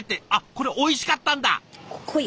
これおいしかったんだ！